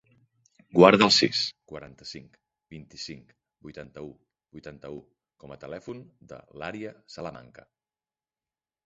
Guarda el sis, quaranta-cinc, vint-i-cinc, vuitanta-u, vuitanta-u com a telèfon de l'Arya Salamanca.